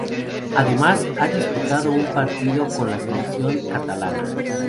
Además, ha disputado un partido con la Selección Catalana.